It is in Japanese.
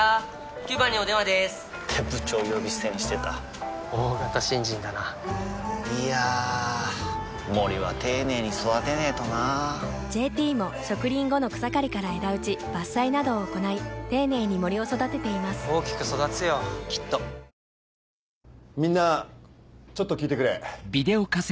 ９番にお電話でーす！って部長呼び捨てにしてた大型新人だないやー森は丁寧に育てないとな「ＪＴ」も植林後の草刈りから枝打ち伐採などを行い丁寧に森を育てています大きく育つよきっとみんなちょっと聞いてくれ。